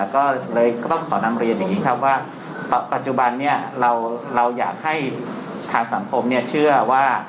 ก็เลยก็ต้องขอนำเรียนอย่างนี้ครับว่าปัจจุบันนี้เราอยากให้ทางสังคมเชื่อว่า